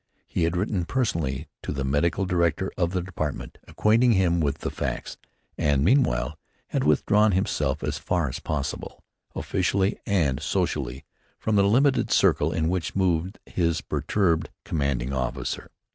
He had written personally to the medical director of the department, acquainting him with the facts, and, meanwhile, had withdrawn himself as far as possible, officially and socially, from the limited circle in which moved his perturbed commanding officer.